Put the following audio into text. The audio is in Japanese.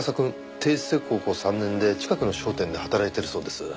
定時制高校３年で近くの商店で働いてるそうです。